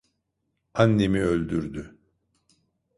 Annemi öldürdü.